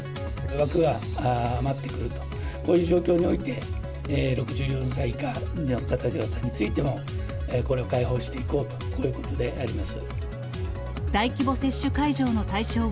枠が余ってくると、こういう状況において、６４歳以下の方々についても、これを開放していこうということであります。